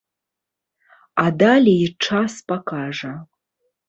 А далей час пакажа.